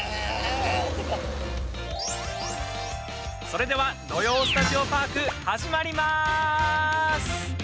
それでは「土曜スタジオパーク」始まりまーす！